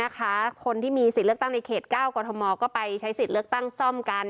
คนที่มีสิทธิ์เลือกตั้งในเขต๙กรทมก็ไปใช้สิทธิ์เลือกตั้งซ่อมกัน